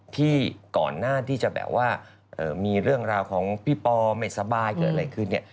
ที่ก่อนหน้าที่จะมีเรื่องของพี่ปอร์ไม่สบายกับอะไรขึ้น